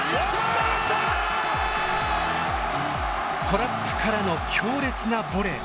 トラップからの強烈なボレー。